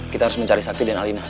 kita harus mencari sakti dan alinah